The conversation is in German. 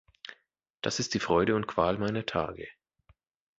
Das ist die Freude und Qual meiner Tage.